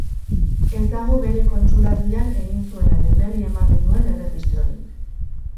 Ez dago bere kontsulaldian egin zuenaren berri ematen duen erregistrorik.